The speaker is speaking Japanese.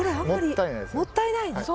もったいないですね。